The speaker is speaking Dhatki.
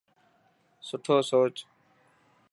سٺو سوچ.